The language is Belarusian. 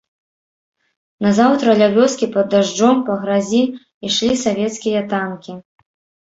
Назаўтра ля вёскі пад дажджом па гразі ішлі савецкія танкі.